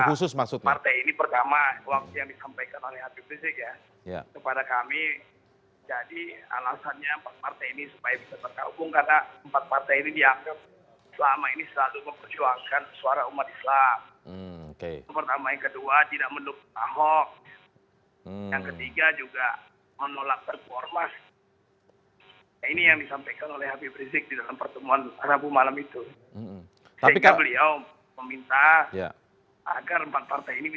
untuk mengganti presiden jokowi